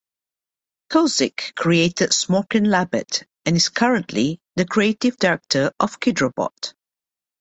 Kozik created Smorkin' Labbit and is currently the Creative Director of Kidrobot.